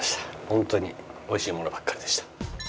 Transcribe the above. ホントに美味しいものばっかりでした。